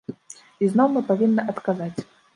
І зноў мы павінны адказваць.